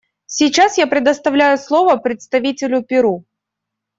Сейчас я предоставляю слово представителю Перу.